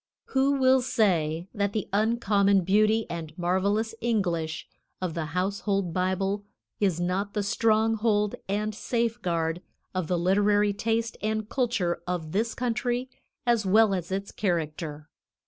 "Who will say that the uncommon beauty and marvelous English of the household Bible is not the stronghold and safeguard of the literary taste and culture of this country as well as its character.